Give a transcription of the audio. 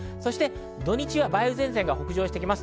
土日は梅雨前線が北上してきます。